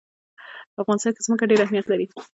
په افغانستان کې ځمکه ډېر اهمیت لري.